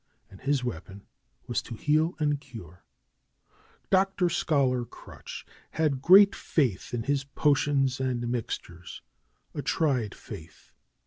And his weapon was to heal and cure. Dr. Scholar Crutch had great faith in his potions and mixtures ; a tried faith.